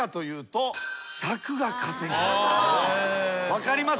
分かります？